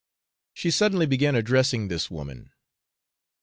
She suddenly began addressing this woman.